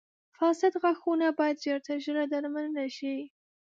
• فاسد غاښونه باید ژر تر ژره درملنه شي.